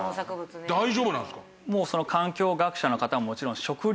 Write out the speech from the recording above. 大丈夫なんですか？